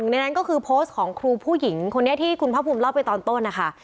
ในนั้นก็คือโพสต์ของครูผู้หญิงคนนี้ที่คุณพระภูมิเล่าไปตอนต้นนะคะ